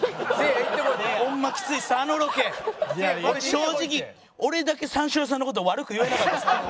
正直俺だけ三四郎さんの事悪く言えなかったです。